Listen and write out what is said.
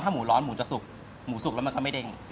หมูร้อนหมูจะสุกหมูสุกแล้วมันก็ไม่เด้ง